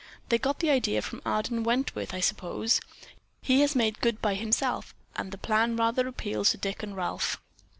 They got the idea from Arden Wentworth, I suppose. He has made good by himself, and the plan rather appeals to Dick and Ralph."